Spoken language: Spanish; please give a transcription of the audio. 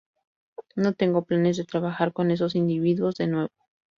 No tengo planes de trabajar con esos individuos de nuevo.